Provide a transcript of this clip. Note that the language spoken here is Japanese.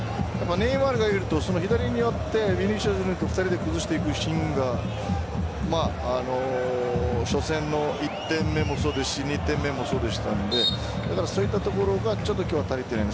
やっぱネイマールがいると左に寄ってヴィニシウスと２人で崩していくシーンが初戦の１点目もそうですし２点目もそうでしたのでですからそういったところがちょっと今日は足りていない。